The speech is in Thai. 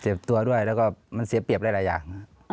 ตัวด้วยแล้วก็มันเสียเปรียบหลายอย่าง